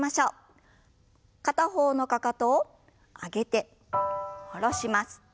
片方のかかとを上げて下ろします。